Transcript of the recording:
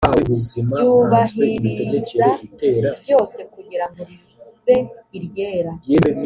ryubahiriza byose kugira ngo ribe iryera